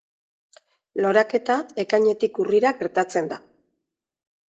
Loraketa Ekainetik Urrira gertatzen da.